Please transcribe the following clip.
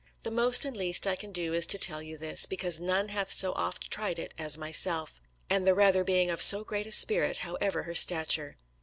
The most and least I can do is to tell you this, because none hath so oft tried it as myself; and the rather being of so great a spirit, however her stature.